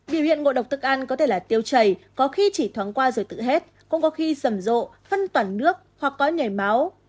biểu hiện ngộ độc thức ăn có thể là tiêu chảy có khi chỉ thoáng qua rồi tự hết cũng có khi rầm rộ phân toản nước hoặc có nhảy máu